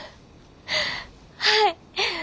はい！